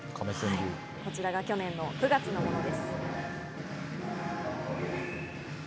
こちらが去年９月のものです。